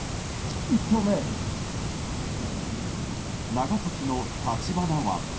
長崎の橘湾。